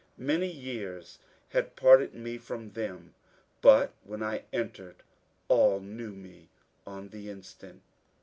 Many years had parted me from them, but when I entered all knew me on the instant.